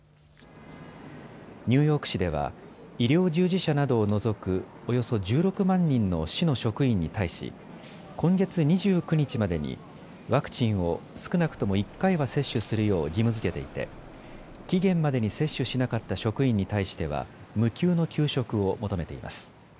ニューヨーク市では医療従事者などを除くおよそ１６万人の市の職員に対し今月２９日までにワクチンを少なくとも１回は接種するよう義務づけていて期限までに接種しなかった職員に対しては無給の休職を求めています。